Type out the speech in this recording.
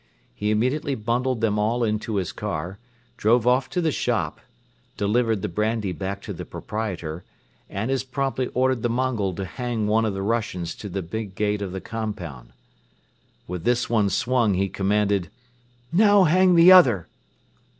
He immediately bundled them all into his car, drove off to the shop, delivered the brandy back to the proprietor and as promptly ordered the Mongol to hang one of the Russians to the big gate of the compound. With this one swung he commanded: "Now hang the other!"